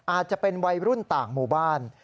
อาจจะเป็นวัยรุ่นต่างหมู่บ้าน